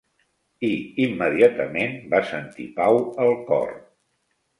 I immediatament va sentir pau al cor.